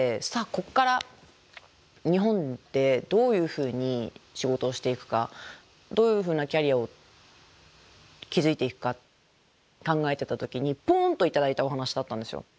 ここから日本でどういうふうに仕事をしていくかどういうふうなキャリアを築いていくか考えてた時にポンと頂いたお話だったんですよ。